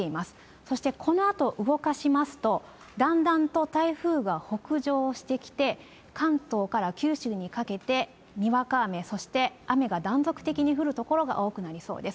そしてこのあと動かしますと、だんだんと台風は北上してきて、関東から九州にかけてにわか雨、そして雨が断続的に降る所が多くなりそうです。